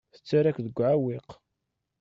Tettarra-k deg uɛewwiq.